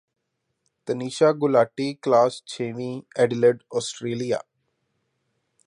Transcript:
Tanisha Gulati class ਛੇਵੀਂ Adelaide Australia